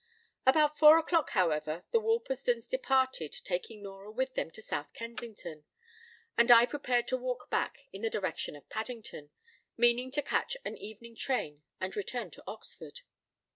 p> About four o'clock, however, the Worplesdons departed, taking Nora with them to South Kensington; and I prepared to walk back in the direction of Paddington, meaning to catch an evening train, and return to Oxford.